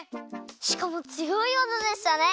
しかもつよい技でしたね。